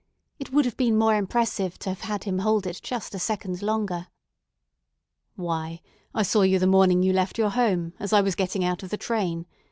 It would have been more impressive to have had him hold it just a second longer. "Why, I saw you the morning you left your home, as I was getting out of the train.